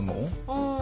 うん。